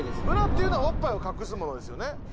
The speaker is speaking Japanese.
ブラっていうのはおっぱいを隠すものですよね。